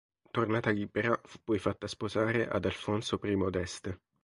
Tornata libera, fu poi fatta sposare ad Alfonso I d'Este.